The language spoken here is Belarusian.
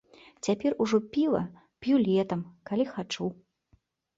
Цяпер ужо піва п'ю летам, калі хачу.